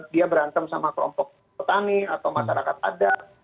dia berantem sama kelompok petani atau masyarakat adat